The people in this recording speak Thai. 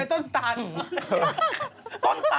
ต้นตานหนะ